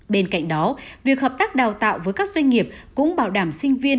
bên cạnh đó việc hợp tác đào tạo với các doanh nghiệp cũng bảo đảm sinh viên